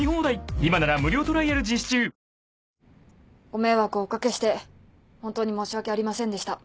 ご迷惑をお掛けして本当に申し訳ありませんでした。